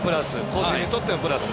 個人にとってもプラス。